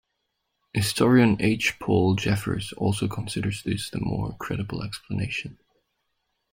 Historian H. Paul Jeffers also considers this the more credible explanation.